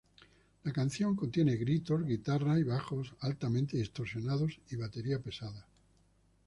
La canción contiene gritos, guitarras y bajos altamente distorsionados y batería pesada.